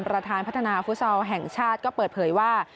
ประธานพัฒนาฟุตซอลแห่งชาติก็เปิดเผยว่า